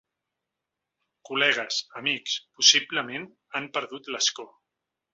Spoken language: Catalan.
Col·legues, amics, possiblement han perdut l’escó.